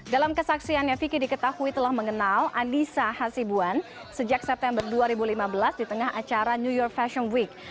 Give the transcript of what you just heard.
dalam kesaksiannya vicky diketahui telah mengenal andisa hasibuan sejak september dua ribu lima belas di tengah acara new york fashion week